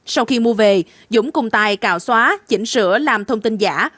sau khi mua về dũng cùng tài cào xóa chỉnh sửa làm thông tin giả